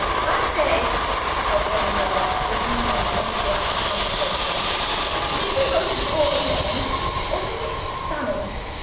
"I say," said one boy, resuming the interrupted conversation, "did you go to Drury Lane? Wasn't it stunning!